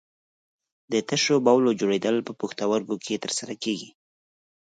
د تشو بولو جوړېدل په پښتورګو کې تر سره کېږي.